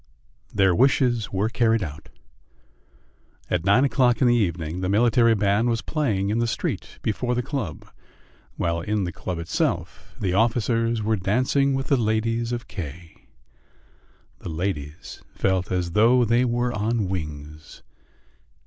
Their wishes were carried out. At nine o'clock in the evening the military band was playing in the street before the club, while in the club itself the officers were dancing with the ladies of K . The ladies felt as though they were on wings.